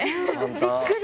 びっくり！